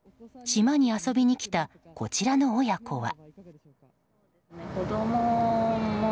島に遊びに来たこちらの親子は。